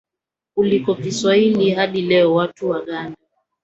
kuliko Kiswahili hadi leo Watu wa Uganda